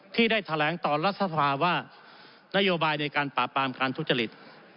ที่ได้แถลงต่อรัฐสภาว่านโยบายในการปราบปรามการทุจริต